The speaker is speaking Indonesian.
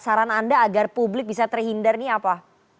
saran anda agar publik bisa terhindar nih apa